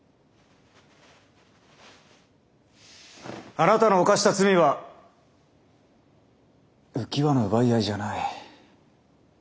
あなたの犯した罪は浮き輪の奪い合いじゃない。